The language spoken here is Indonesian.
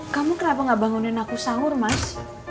kamu kenapa gak bangunin aku sahur mas